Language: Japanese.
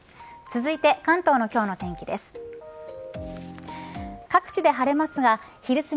続いて、関東の今日の天気です。